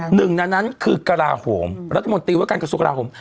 หนึ่งในนั้นคือกระลาโหมรัฐมนตรีว่าการกระทรวงกราโหม